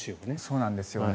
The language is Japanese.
そうなんですよね。